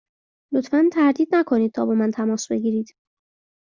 لطفا تردید نکنید تا با من تماس بگیرید.